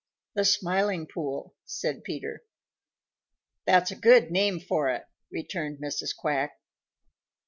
"The Smiling Pool," said Peter. "That's a good name for it," returned Mrs. Quack.